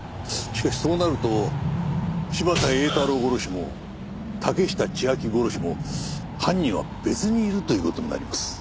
しかしそうなると柴田英太郎殺しも竹下千晶殺しも犯人は別にいるという事になります。